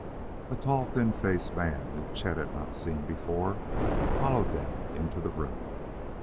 A tall, thin faced man whom Chet had not seen before followed them into the room.